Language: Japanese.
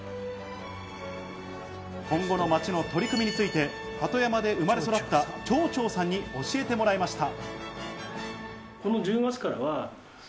今後の町の取り組みについて鳩山で生まれ育った町長さんに教えてもらいました。